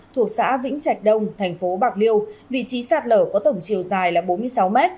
thuộc xã vĩnh trạch đông thành phố bạc liêu vị trí sạt lở có tổng chiều dài là bốn mươi sáu m